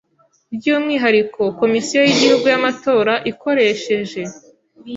By’umwihariko Komisiyo y’Igihugu y’Amatora ikoresheje